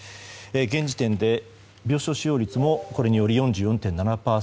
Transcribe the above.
現時点で病床使用率もこれにより４４．７％。